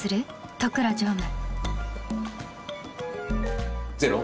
都倉常務。